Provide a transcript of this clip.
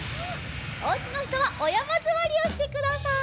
おうちのひとはおやまずわりをしてください。